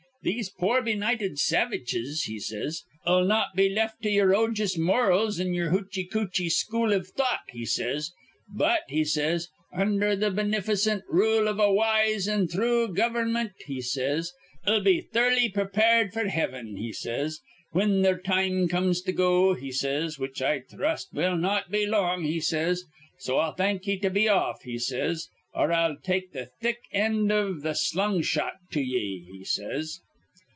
'These pore, benighted savidges,' he says, ''ll not be left to yer odjious morals an' yer hootchy kootchy school iv thought,' he says, 'but,' he says, 'undher th' binif'cint r rule iv a wise an' thrue gover'mint,' he says, ''ll be thurly prepared f'r hivin,' he says, 'whin their time comes to go,' he says, 'which I thrust will not be long,' he says. 'So I'll thank ye to be off,' he says, 'or I'll take th' thick end iv the slung shot to ye,' he says.